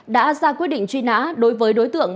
đã ra quyết định truy nã đối với đối tượng